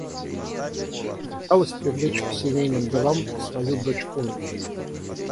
Попыталась привлечь к семейным делам и свою дочь Ольгу.